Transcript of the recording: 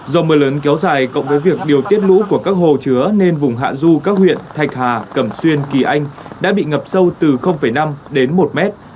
do mưa lớn kéo dài cộng với việc điều tiết lũ của các hồ chứa nên vùng hạ du các huyện thạch hà cẩm xuyên kỳ anh đã bị ngập sâu từ năm đến một mét